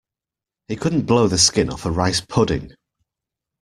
He couldn't blow the skin off a rice pudding.